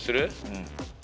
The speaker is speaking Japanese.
うん。